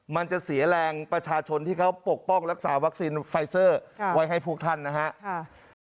มันจะเสียแรงประชาชนที่เขาปกป้องรักษาวัคซีนไฟเซอร์ไว้ให้พวกท่านนะครับ